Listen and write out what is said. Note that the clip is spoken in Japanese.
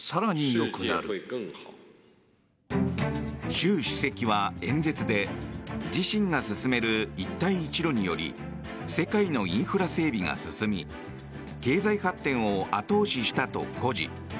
習主席は演説で自身が進める一帯一路により世界のインフラ整備が進み経済発展を後押ししたと誇示。